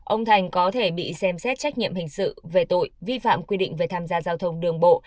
ông thành có thể bị xem xét trách nhiệm hình sự về tội vi phạm quy định về tham gia giao thông đường bộ